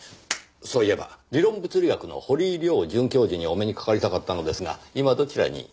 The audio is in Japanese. そういえば理論物理学の堀井亮准教授にお目にかかりたかったのですが今どちらに？